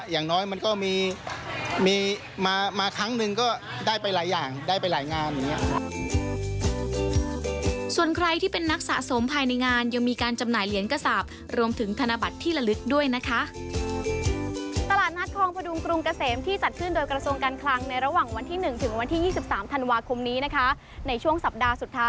อย่างน้อยมันก็มีมีมามาครั้งหนึ่งก็ได้ไปหลายอย่างได้ไปหลายงานอย่างนี้ส่วนใครที่เป็นนักสะสมภายในงานยังมีการจำหน่ายเหรียญกษาบรวมถึงธนบัตรที่ละลึกด้วยนะคะตลาดนัดคลองพระดุงกรุงเกษมที่จัดขึ้นโดยกระทรวงการคลังในระหว่างวันที่หนึ่งถึงวันที่ยี่สิบสามธันวาคมนี้นะคะในช่วงสัปด